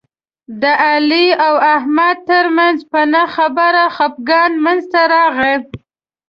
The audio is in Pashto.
د علي او احمد ترمنځ په نه خبره خپګان منځ ته راغی.